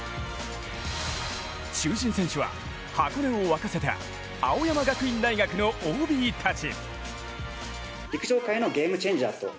中心選手は箱根を沸かせた青山学院大学のＯＢたち。